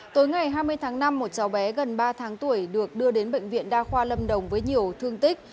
tối ngày hai mươi tháng năm một cháu bé gần ba tháng tuổi được đưa đến bệnh viện đa khoa lâm đồng với nhiều thương tích